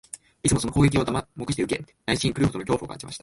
いつもその攻撃を黙して受け、内心、狂うほどの恐怖を感じました